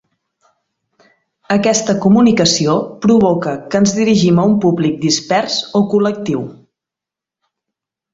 Aquesta comunicació provoca que ens dirigim a un públic dispers o col·lectiu.